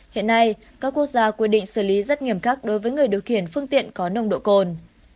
hiện nay các quốc gia quy định xử lý rất nghiêm khắc đối với người điều khiển phương tiện có nồng độ cồn